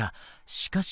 しかし。